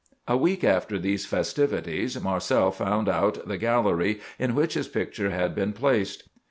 "A week after these festivities, Marcel found out the gallery in which his picture had been placed.